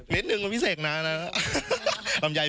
นิดหนึ่งคือพิเศษนะรำยาย